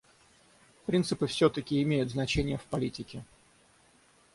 Принципы все-таки имеют значение в политике.